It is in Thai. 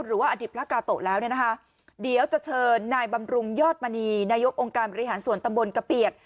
หรือว่าอดีตพระกาโตะแล้วเนี่ยนะคะเดี๋ยวจะเชิญนายบำรุงยอดมณีนายกองค์การบริหารส่วนตำบลกะเปียด